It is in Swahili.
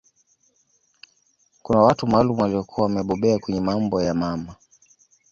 Kuna watu maalum waliokuwa wamebobea kwenye mambo ya mma